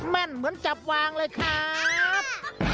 นเหมือนจับวางเลยครับ